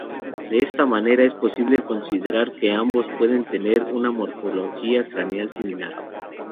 De esta manera es posible considerar que ambos pueden tener una morfología craneal similar.